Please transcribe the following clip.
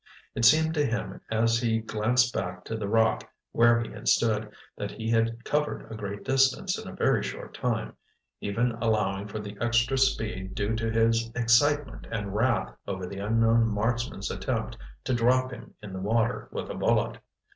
It seemed to him as he glanced back to the rock where he had stood, that he had covered a great distance in a very short time, even allowing for the extra speed due to his excitement and wrath over the unknown marksman's attempt to drop him in the water with a bullet.